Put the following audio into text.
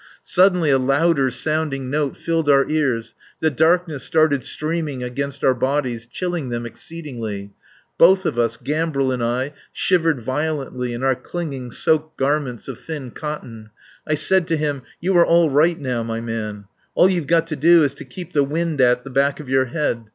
Suddenly a louder sounding note filled our ears, the darkness started streaming against our bodies, chilling them exceedingly. Both of us, Gambril and I, shivered violently in our clinging, soaked garments of thin cotton. I said to him: "You are all right now, my man. All you've got to do is to keep the wind at the back of your head.